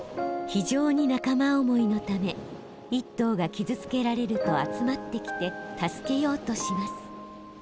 非常に仲間思いのため一頭が傷つけられると集まってきて助けようとします。